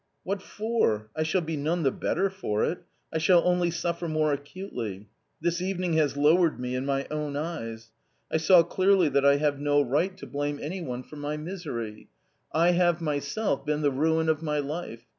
"What for? I shall be none the better for it. I shall only suffer more acutely. This evening has lowered me in my own eyes. I saw clearly that I have no right to blame A COMMON STORY 227 any one for my misery. I have myself been the ruin of my life.